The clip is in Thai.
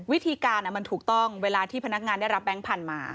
วิธีการมันถูกต้องเวลาที่พนักงานได้รับแบงค์พันธุ์มา